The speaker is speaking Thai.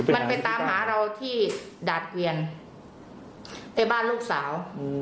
มันไปตามหาเราที่ดาดเกวียนในบ้านลูกสาว